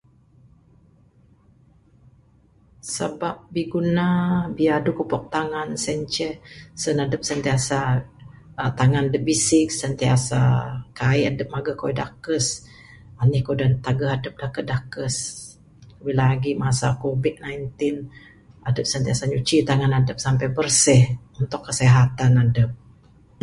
Sabab biguna biadu kupok tangan sien ceh sen adep sentiasa tangan adep bisig kaik adep mageh kayuh dakes. Anih kayuh tageh adep dakes dakes labih lagi masa COVID-19 sentiasa nyuci tangan adep sampai bersih untuk kesihatan adep.